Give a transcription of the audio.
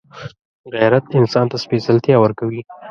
غیرت انسان ته سپېڅلتیا ورکوي